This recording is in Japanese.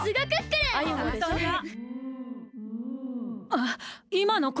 あっいまのこえは？